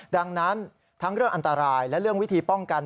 ดังนั้นทั้งเรื่องอันตรายและเรื่องวิธีป้องกัน